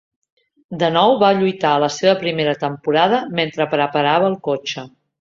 De nou va lluitar a la seva primera temporada mentre preparava el cotxe.